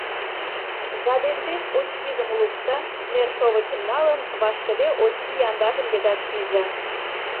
Гаденбек очкижым лукто, нершовычым налын, вашкыде очки яндажым йыгаш пиже.